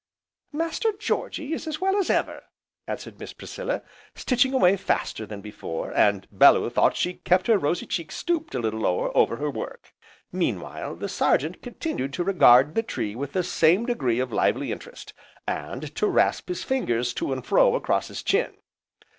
"Master Georgy is as well as ever," answered Miss Priscilla, stitching away faster than before, and Bellew thought she kept her rosy cheeks stooped a little lower over her work. Meanwhile the Sergeant continued to regard the tree with the same degree of lively interest, and to rasp his fingers to and fro across his chin.